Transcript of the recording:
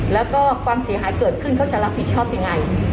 แล้วก็ความเสียหายเกิดขึ้นเขาจะรับผิดชอบยังไง